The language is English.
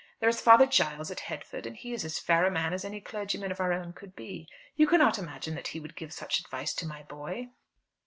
There is Father Giles at Headford, and he is as fair a man as any clergyman of our own could be. You cannot imagine that he would give such advice to my boy?"